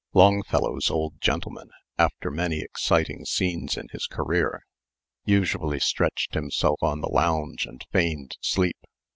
Longfellow's old gentleman, after many exciting scenes in his career, usually stretched himself on the lounge and feigned sleep.